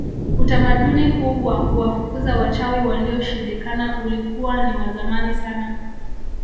Utamaduni huu wa kuwafukuza wachawi walioshindikana ulikuwa ni wa zamani sana